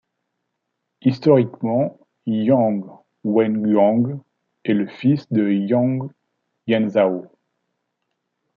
Historiquement, Yang Wenguang est le fils de Yang Yanzhao.